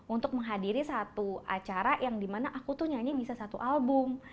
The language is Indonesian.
untuk menghadiri satu acara yang dimana aku tuh nyanyi bisa satu album